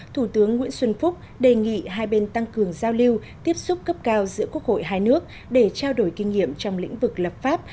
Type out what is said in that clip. thủ tướng nguyễn xuân phúc đề nghị hai bên tăng cường giao lưu tiếp xúc cấp cao giữa quốc hội hai nước để trao đổi kinh nghiệm trong lĩnh vực lập pháp